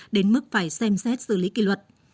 đến mức phải xem xét xử lý kỳ luật